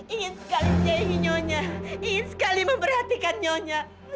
ingin sekali jahe nyonya ingin sekali memperhatikan nyonya